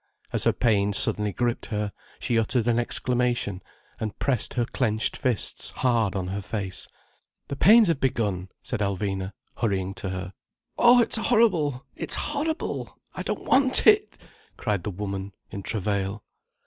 As her pains suddenly gripped her, she uttered an exclamation, and pressed her clenched fists hard on her face. "The pains have begun," said Alvina, hurrying to her. "Oh, it's horrible! It's horrible! I don't want it!" cried the woman in travail.